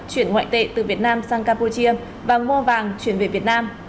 chuyển ngoại tệ từ việt nam sang campuchia và mua vàng chuyển về việt nam